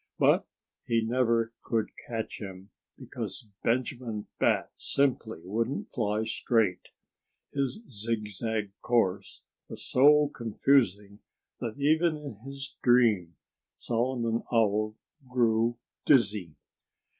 But he never could catch him, because Benjamin Bat simply wouldn't fly straight. His zigzag course was so confusing that even in his dream Solomon Owl grew dizzy.